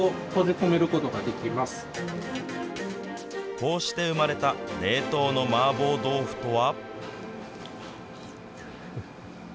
こうして生まれた冷凍の麻婆豆腐とは。